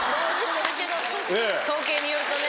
統計によるとね。